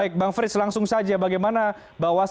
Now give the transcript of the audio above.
baik bang frits langsung saja